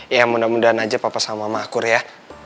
ya mudah mudahan aja papa sama mama akur ya